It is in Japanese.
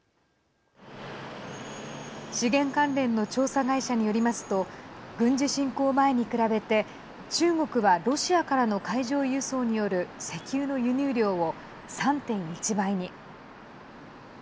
資源関連の調査会社によりますと軍事侵攻前に比べて中国はロシアからの海上輸送による石油の輸入量を３．１倍に。